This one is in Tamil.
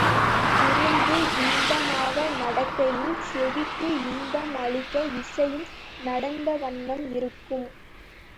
விருந்து இன்பமாக நடக்கையில் செவிக்கு இன்பம் அளிக்க இசையும் நடந்தவண்ணம் இருக்கும்.